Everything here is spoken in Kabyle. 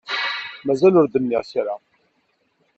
Mazal ur d-nniɣ kra.